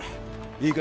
いいか？